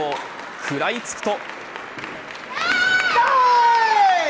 食らいつくと。